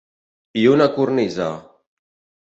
I una cornisa.